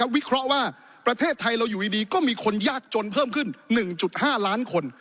วิเคราะห์ว่าประเทศไทยเราอยู่ดีก็มีคนยากจนเพิ่มขึ้น๑๕ล้านคน